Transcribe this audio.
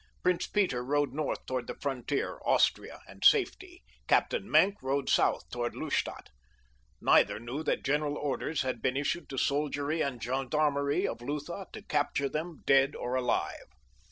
Prince Peter rode north toward the frontier, Austria, and safety, Captain Maenck rode south toward Lustadt. Neither knew that general orders had been issued to soldiery and gendarmerie of Lutha to capture them dead or alive.